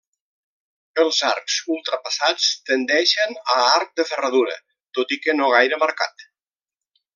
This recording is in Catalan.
Els arcs ultrapassats tendeixen a arc de ferradura, tot i que no gaire marcat.